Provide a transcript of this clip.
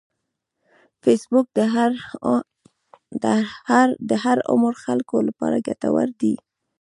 فېسبوک د هر عمر خلکو لپاره ګټور دی